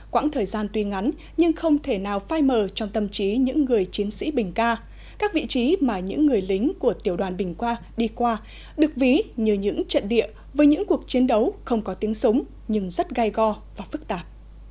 quãng thời gian tuy ngắn nhưng không thể nào phai mờ trong tâm trí những người chiến sĩ bình ca các vị trí mà những người lính của tiểu đoàn bình qua đi qua được ví như những trận địa với những cuộc chiến đấu không có tiếng súng nhưng rất gai go và phức tạp